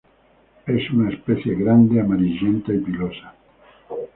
Es una especie grande, amarillenta, y pilosa.